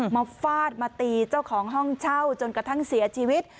ฟาดมาตีเจ้าของห้องเช่าจนกระทั่งเสียชีวิต